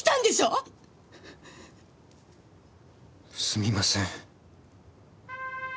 すみません。